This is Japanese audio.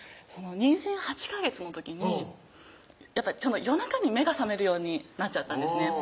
妊娠８ヵ月の時に夜中に目が覚めるようになっちゃったんですね